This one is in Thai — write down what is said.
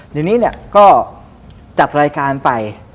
เดี๋ยวนี้เนี่ยก็จัดรายการไป